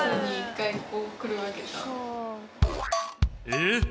えっ！？